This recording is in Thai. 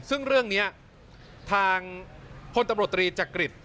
ซึ่งเรื่องนี้ทางพลตำรวจตรีจักริจ